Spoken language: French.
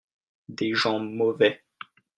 des gens mauvais.